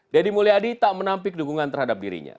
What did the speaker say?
deddy mulyadi tak menampik dukungan terhadap dirinya